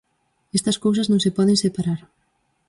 Estas cousas non se poden separar.